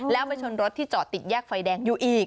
แล้วไปชนรถที่จอดติดแยกไฟแดงอยู่อีก